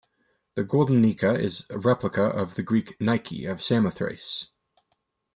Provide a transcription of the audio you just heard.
The Golden Nica is replica of the Greek Nike of Samothrace.